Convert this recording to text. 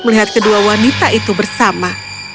melihat kedua wanita itu bersama